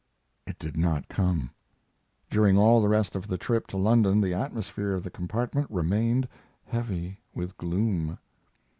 It did not come. During all the rest of the trip to London the atmosphere of the compartment remained heavy with gloom.